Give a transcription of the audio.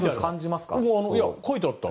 書いてあった。